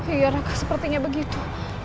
iya raka sepertinya begitu